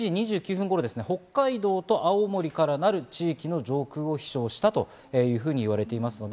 ７時２９分頃、北海道と青森からなる地域の上空を飛翔したというふうに言われています。